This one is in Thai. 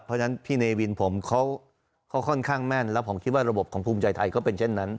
เพราะฉะนั้นพี่เนวินผมเขาค่อนข้างแม่นแล้วผมคิดว่าระบบของภูมิใจไทยก็เป็นเช่นนั้น